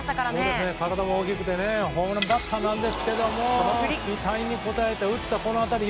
体も大きくてホームランバッターなんですが期待に応えて打ったこの当たり。